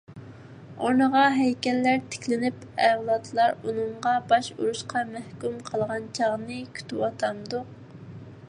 ئورنىغا ھەيكەللەر تىكلىنىپ ئەۋلاتلار ئۇنىڭغا باش ئۇرۇشقا مەھكۇم قالغان چاغنى كۈتىۋاتامدۇق؟!